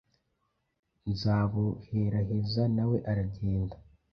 nzabuheraheza na we aragenda